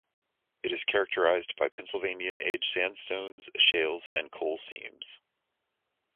It is characterized by Pennsylvanian age sandstones, shales and coal seams.